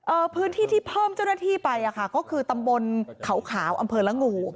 พื้นที่ที่เพิ่มเจ้าหน้าที่ไปอ่ะค่ะก็คือตำบลเขาขาวอำเภอละงู